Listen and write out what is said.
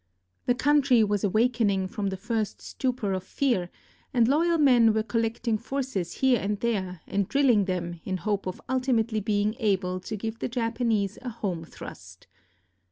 The country was awakening from the first stupor of fear, and loyal men were collect ing forces here and there and drilling them in hope of ultimately being able to give the Japanese a home thrust.